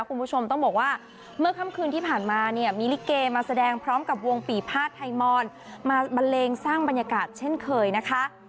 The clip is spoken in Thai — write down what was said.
คุณผู้ชมต้องบอกว่าเมื่อค่ำคืนที่ผ่านมาเนี่ยมีลิเกมาแสดงพร้อมกับวงปีภาษไทยมอนมาบันเลงสร้างบรรยากาศเช่นเคยนะคะ